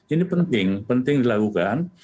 ini penting penting dilakukan